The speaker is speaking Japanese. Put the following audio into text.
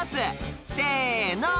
「せの！」